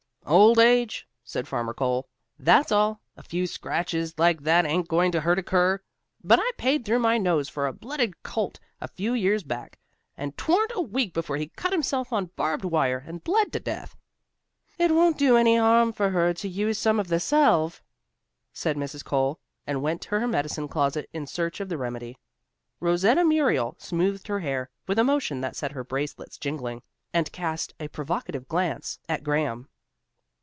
"Old age," said Farmer Cole. "That's all. A few scratches like that ain't going to hurt a cur. But I paid through my nose for a blooded colt a few years back, and 'twarn't a week before he cut himself on barbed wire, and bled to death." "It won't do any harm for her to use some of the salve," said Mrs. Cole, and went to her medicine closet in search of the remedy. Rosetta Muriel smoothed her hair, with a motion that set her bracelets jingling, and cast a provocative glance at Graham.